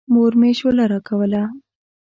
مور مې شوله راکوله.